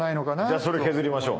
じゃあそれ削りましょう。